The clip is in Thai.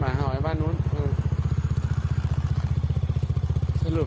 มันมาถือเสียงสูงมากขึ้น